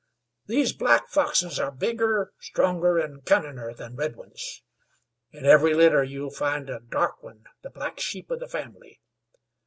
These black foxes are bigger, stronger an' cunniner than red ones. In every litter you'll find a dark one, the black sheep of the family.